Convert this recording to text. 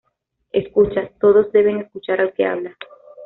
Escucha: todos deben escuchar al que habla.